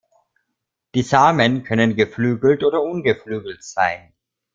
Die Samen können geflügelt oder ungeflügelt sein.